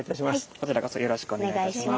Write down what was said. こちらこそよろしくお願いいたします。